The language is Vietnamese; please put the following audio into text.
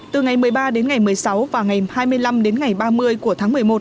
từ ngày một mươi ba đến ngày một mươi sáu và ngày hai mươi năm đến ngày ba mươi của tháng một mươi một